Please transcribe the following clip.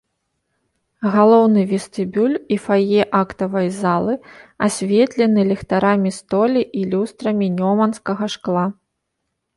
Галоўны вестыбюль і фае актавай залы асветлены ліхтарамі столі і люстрамі нёманскага шкла.